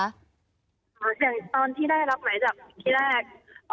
อย่างตอนที่ได้รับหมายจับที่แรก